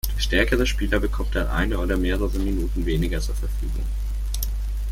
Der stärkere Spieler bekommt dann eine oder mehrere Minuten weniger zur Verfügung.